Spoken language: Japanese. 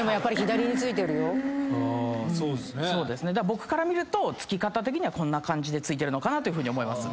僕から見ると憑き方的にこんな感じで憑いてるのかなと思います。